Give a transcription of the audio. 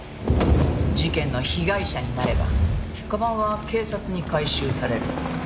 事件の被害者になれば鞄は警察に回収される。